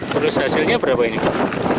terus hasilnya berapa ini pak